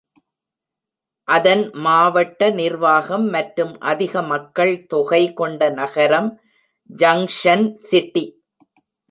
அதன் மாவட்ட நிர்வாகம் மற்றும் அதிக மக்கள் தொகை கொண்ட நகரம், ஜங்க்ஷன் சிட்டி.